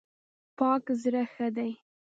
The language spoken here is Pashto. پاک زړه ښه دی.